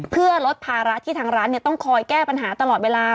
เพื่อลดภาระที่ทางร้านต้องคอยแก้ปัญหาตลอดเวลา